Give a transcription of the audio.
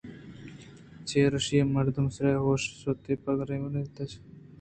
چرایشی ءَ مرد ءِ سرئےِ ہوش شُت ءُ پہ گرٛیوان ءُدپ ءَ پچ لگوٛشان ءَ گوٛشت ئے نیکی بد حرامیں ناشراں